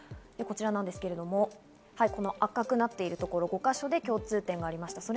こちらなんですけど、赤くなっている所５か所で共通点がありました。